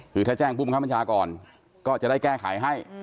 คือถ้าแจ้งผู้บังคับบัญชาก่อนก็จะได้แก้ไขให้